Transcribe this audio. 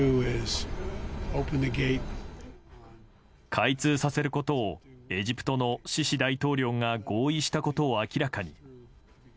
開通させることをエジプトのシシ大統領が合意したことを明らかに。